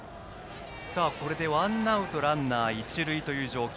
これでワンアウトランナー、一塁という状況。